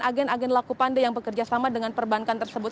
agen agen laku pandai yang bekerjasama dengan perbankan tersebut